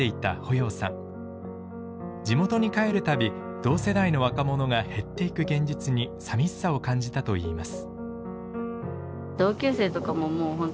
地元に帰る度同世代の若者が減っていく現実にさみしさを感じたといいます。